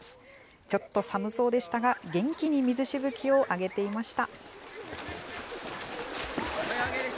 ちょっと寒そうでしたが、元気に水しぶきを上げていました。